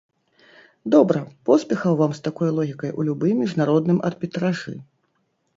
Добра, поспехаў вам з такою логікай у любым міжнародным арбітражы.